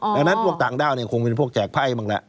ดังนั้นพวกต่างด้าวเนี่ยคงเป็นพวกแจกไพ่บ้างแหละ